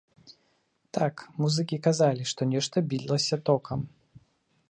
Так, музыкі казалі, што нешта білася токам.